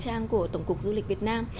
trang của tổng cục du lịch việt nam